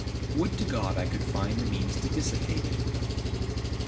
'Would to God I could find the means to dissipate it.'